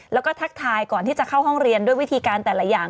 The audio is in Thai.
แล้วก็ทักทายก่อนที่จะเข้าห้องเรียนด้วยวิธีการแต่ละอย่าง